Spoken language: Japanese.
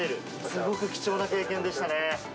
すごく貴重な経験でし